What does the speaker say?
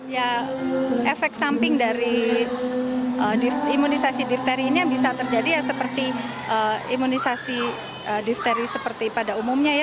ya efek samping dari imunisasi difteri ini yang bisa terjadi ya seperti imunisasi difteri seperti pada umumnya ya